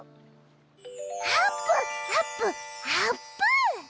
あーぷんあぷんあーぷん！